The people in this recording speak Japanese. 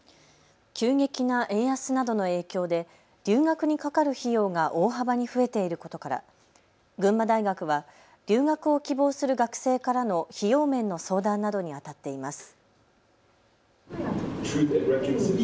急激な円安などの影響で留学にかかる費用が大幅に増えていることから群馬大学は留学を希望する学生からの費用面の相談などにあたっています。